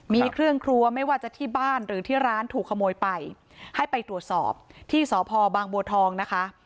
มีเครื่องครัวไม่ว่าจะที่บ้านหรือที่ร้านถูกขโมยไปให้ไปตรวจสอบที่สพบางบัวทองนะคะ